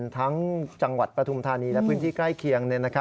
ทั้งจังหวัดประธุมธรรมนี้และพื้นที่ใกล้เคียง